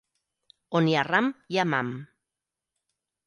On hi ha ram, hi ha mam.